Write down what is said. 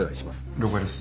了解です。